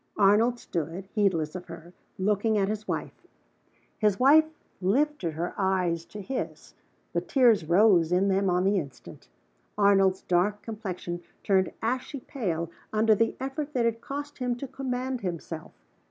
Arnold stood, heedless of her, looking at his wife. His wife lifted her eyes to his; the tears rose in them on the instant. Arnold's dark complexion turned ashy pale under the effort that it cost him to command himself.